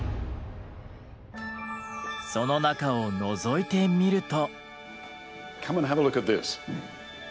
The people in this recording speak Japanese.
その中をのぞいてみると。